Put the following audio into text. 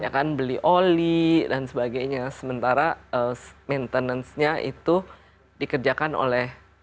ya kan beli oli dan sebagainya sementara maintenance nya itu dikerjakan oleh